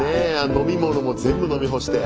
飲み物も全部飲み干して。